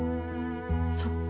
そっか。